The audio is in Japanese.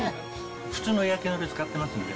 普通の焼きのり使ってますんで。